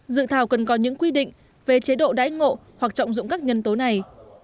dự thảo cần có những quy định về chế độ đáy ngộ hoặc trọng dụng các nhân tố này